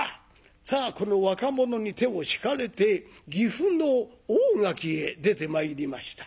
さあこの若者に手を引かれて岐阜の大垣へ出てまいりました。